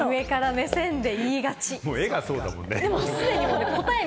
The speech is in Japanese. もう絵がそうだもんね。